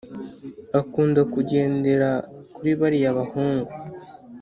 akunda kugendera kuri bariya bahungu